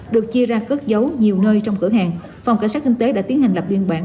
được chia ra cất dấu nhiều nơi trong cửa hàng phòng cảnh sát kinh tế đã tiến hành lập biên bản